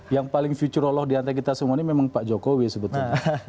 yang paling futurolog diantara kita semua ini memang pak jokowi sebetulnya